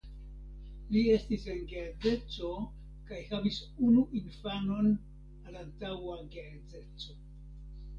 Li estis en geedzeco kaj havis unu infanon al antaŭa geedzeco.